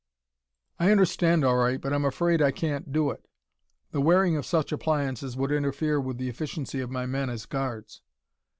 "I understand all right, but I'm afraid that I can't do it. The wearing of such appliances would interfere with the efficiency of my men as guards."